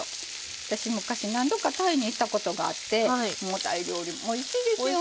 私昔何度かタイに行ったことがあってタイ料理おいしいですよね。